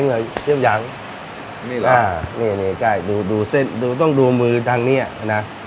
เยี่ยมยังนี่เหรอนี่นี่ใกล้ดูดูเส้นดูต้องดูมือทางเนี้ยนะ